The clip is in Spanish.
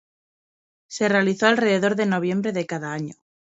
Se realizó alrededor de noviembre de cada año.